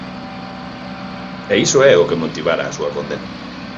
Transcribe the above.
E iso é o que motivara a súa condena.